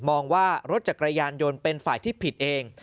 มองว่ารถจักรยานยนต์เป็นฝ่ายที่ผิดเอง